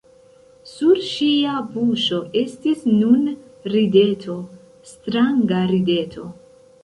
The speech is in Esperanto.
Sur ŝia buŝo estis nun rideto, stranga rideto!